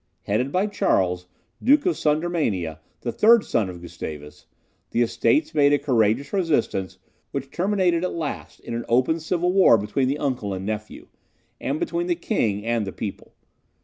Headed by Charles, Duke of Sudermania, the third son of Gustavus, the Estates made a courageous resistance, which terminated, at last, in an open civil war between the uncle and nephew, and between the King and the people.